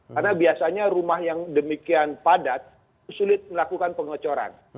karena biasanya rumah yang demikian padat sulit melakukan pengecoran